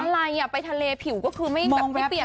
เมื่อไหร่ไปทะเลผิวก็คือไม่เปลี่ยนไม่ไกลเลย